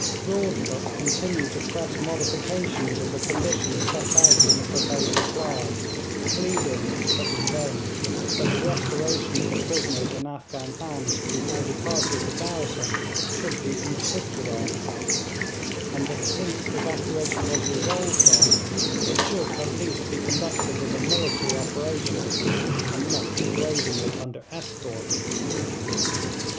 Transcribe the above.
Broadfoot continued to press modifications of the conditions set out in the proposed reply, pleading, but in vain, that the restoration of the prisoners in Afghan hands before departure of the garrison should be insisted on; and that since evacuation was resolved on, it should at least be conducted as a military operation, and not degradingly under escort.